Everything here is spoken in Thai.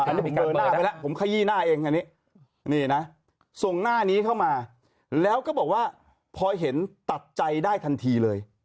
อันนี้ผมเดินหน้าไปแล้วผมขยี้หน้าเองอันนี้นี่นะส่งหน้านี้เข้ามาแล้วก็บอกว่าพอเห็นตัดใจได้ทันทีเลย